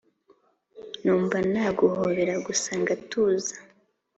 numva naguhobera gusa ngatuza